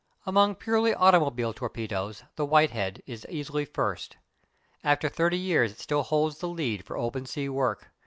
Among purely automobile torpedoes the Whitehead is easily first. After thirty years it still holds the lead for open sea work.